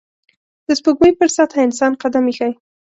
د سپوږمۍ پر سطحه انسان قدم ایښی